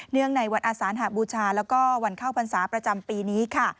เนื่องในวันอาสานหาบูชาและวันเข้าพรรษาประจำปีนี้